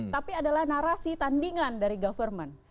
tapi adalah narasi tandingan dari government